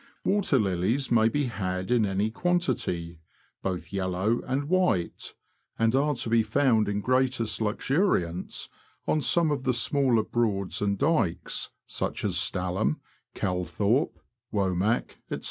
Water lilies may be had in any quantity, both yellow and white, and are to be found in greatest luxuriance on some of the smaller Broads and dykes, such as Stalham, Calthorpe, Womack, &c.